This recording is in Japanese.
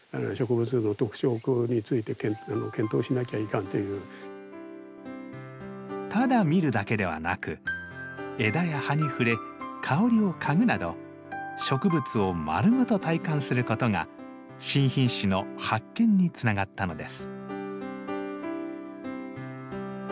先生の教えではただ見るだけではなく枝や葉に触れ香りを嗅ぐなど植物を丸ごと体感することが新品種の発見につながったのです。